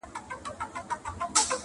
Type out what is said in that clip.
د قاضي عاید لا نور پسي زیاتېږي,